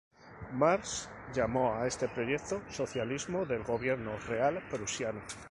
Marx llamó a este proyecto "socialismo del Gobierno real prusiano".